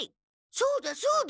そうだそうだ！